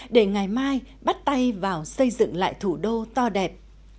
để ngày mai bắt tay vào xây dựng lại thủ đô to đẹp